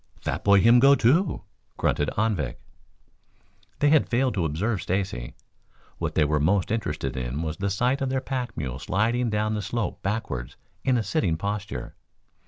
"Fat boy him go, too," grunted Anvik. They had failed to observe Stacy. What they were most interested in was the sight of their pack mule sliding down the slope backwards in a sitting posture.